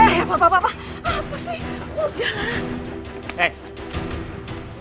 eh apa apa apa apa sih udah